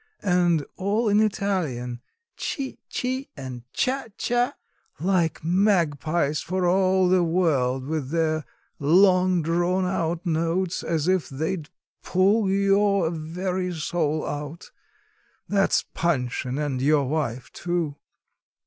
And all in Italian: chi chi and cha cha like magpies for all the world with their long drawn out notes as if they'd pull your very soul out. That's Panshin, and your wife too.